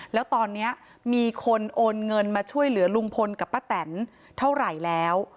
แล้วตอนนี้มีคนโอนเงินมาช่วยเหลือลุงพลกับป้าแตนเท่าไหร่แล้ว